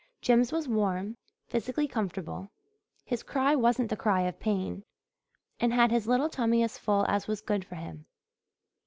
Jims was warm, physically comfortable his cry wasn't the cry of pain and had his little tummy as full as was good for him.